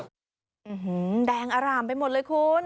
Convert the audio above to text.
อื้อหือแดงอร่ามไปหมดเลยคุณ